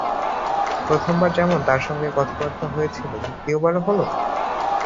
প্রথম বার যেমন তার সঙ্গে কথাবার্তা হয়েছিল, দ্বিতীয় বারও হল?